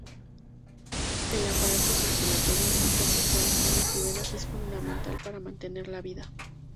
El aparato circulatorio, compuesto por arterias y venas, es fundamental para mantener la vida.